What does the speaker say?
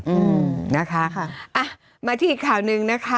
อืมนะคะค่ะอ่ะมาที่อีกข่าวหนึ่งนะคะ